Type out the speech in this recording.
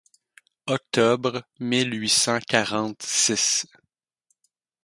Octobre mille huit cent quarante-six.